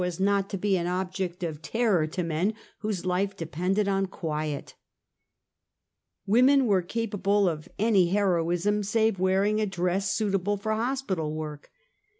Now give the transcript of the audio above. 265 as not to be an object of terror to men whose life de pended on quiet, "Women were capable of any heroism save wearing a dress suitable for hospital work.